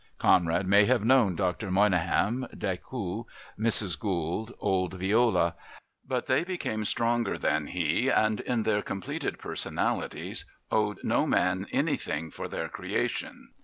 Conrad may have known Dr Monyngham, Decoud, Mrs Gould, old Viola; but they became stronger than he and, in their completed personalities, owed no man anything for their creation.